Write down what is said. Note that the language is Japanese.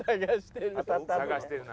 探してる。